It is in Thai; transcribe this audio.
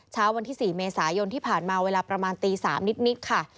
เช้าวันที่๔เมษายนที่ผ่านมาเวลาประมาณตี๓นิดค่ะ